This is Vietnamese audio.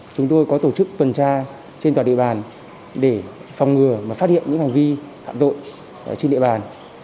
chúng tôi có tổ chức tuần tra trên toàn địa bàn để phòng ngừa và phát hiện những hành vi phạm tội trên địa bàn